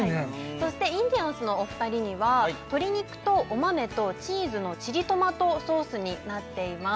そしてインディアンスのお二人には鶏肉とお豆とチーズのチリトマトソースになっています